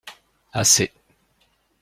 Assez.